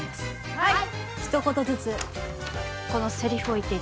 はい